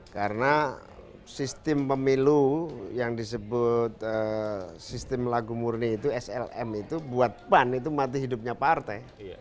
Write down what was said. karena sistem pemilu yang disebut sistem lagu murni itu slm itu buat pan itu mati hidupnya partai